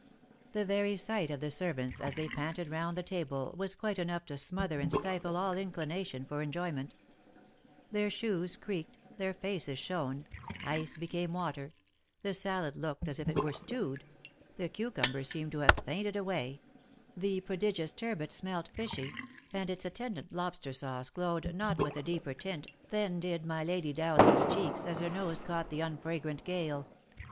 The very sight of the servants as they panted round the table, was quite enough to smother and stifle all inclination for enjoyment — their shoes creaked — their faces shone — ice became water — the salad looked as if it were stewed — the cucumbers seemed to have fainted away — the prodigious turbot smelt fishy, and its attendant lobster sauce glowed not with a deeper tint, than did my Lady Dow ling's cheeks as her nose caught the unfragrant gale.